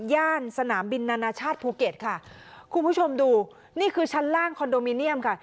ย่านสนามบินนานาชาติภูเก็ตค่ะคุณผู้ชมดูนี่คือชั้นล่างคอนโดมิเนียมค่ะ